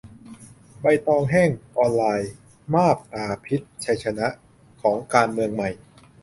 'ใบตองแห้ง' ออนไลน์ :"มาบตาพิษ" ชัยชนะ ? ของ "การเมืองใหม่"